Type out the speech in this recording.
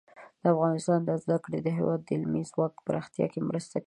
د پوهنتون زده کړې د هیواد د علمي ځواک پراختیا کې مرسته کوي.